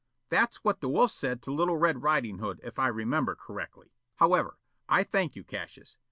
"That's what the wolf said to Little Red Riding Hood, if I remember correctly. However, I thank you, Cassius.